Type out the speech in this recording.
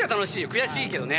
悔しいけどね。